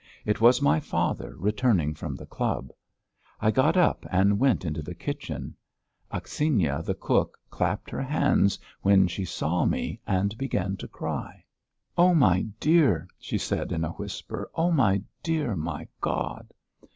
It was my father returning from the club. I got up and went into the kitchen. Akhsinya, the cook, clapped her hands when she saw me and began to cry: "Oh, my dear," she said in a whisper. "Oh, my dear! My God!"